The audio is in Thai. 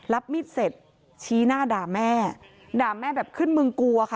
รับมีดเสร็จชี้หน้าด่าแม่ด่าแม่แบบขึ้นมึงกลัวค่ะ